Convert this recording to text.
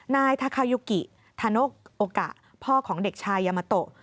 นายทาคายุกิธานกโอกะพ่อของเด็กชายยามาโตะ